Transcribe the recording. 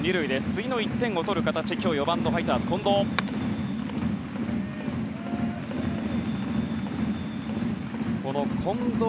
次の１点を取る形で４番のファイターズ、近藤。